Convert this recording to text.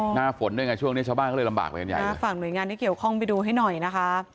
หน้าฝนด้วยไงช่วงนี้ชาวบ้านก็เลยลำบากไปกันใหญ่ฝากหน่วยงานที่เกี่ยวข้องไปดูให้หน่อยนะคะ